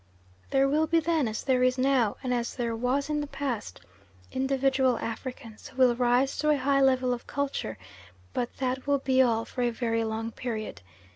There will be then as there is now, and as there was in the past, individual Africans who will rise to a high level of culture, but that will be all for a very long period.